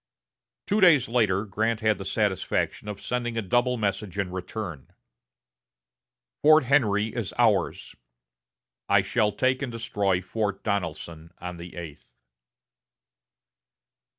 Two days later, Grant had the satisfaction of sending a double message in return: "Fort Henry is ours.... I shall take and destroy Fort Donelson on the eighth."